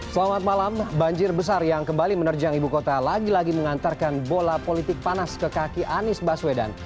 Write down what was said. selamat malam banjir besar yang kembali menerjang ibu kota lagi lagi mengantarkan bola politik panas ke kaki anies baswedan